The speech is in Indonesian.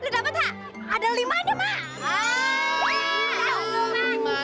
dapet kak ada lima nya mak